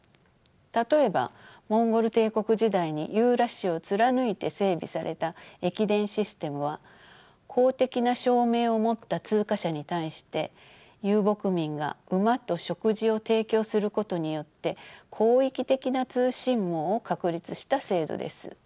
例えばモンゴル帝国時代にユーラシアを貫いて整備された駅伝システムは公的な証明を持った通過者に対して遊牧民が馬と食事を提供することによって広域的な通信網を確立した制度です。